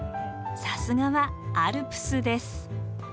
さすがはアルプスです。